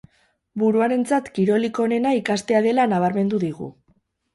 Buruarentzat kirolik onena ikastea dela nabarmendu digu.